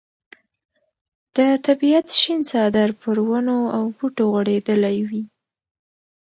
د طبیعت شین څادر پر ونو او بوټو غوړېدلی وي.